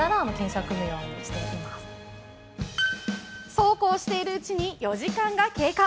そうこうしているうちに４時間が経過。